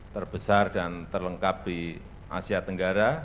terbesar dan terlengkap di asia tenggara